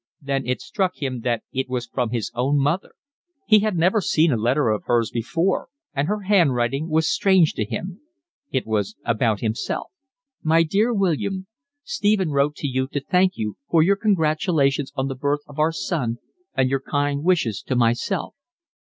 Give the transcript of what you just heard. Then it struck him that it was from his own mother. He had never seen a letter of hers before, and her handwriting was strange to him. It was about himself. My dear William, Stephen wrote to you to thank you for your congratulations on the birth of our son and your kind wishes to myself.